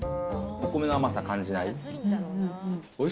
お米の甘さ感じない。